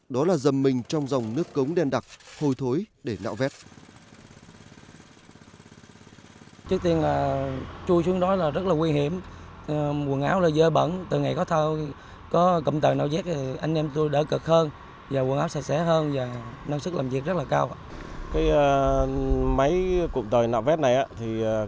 đó là dầm mình trong dòng nước cống đen đặc hồi thối để nạo vét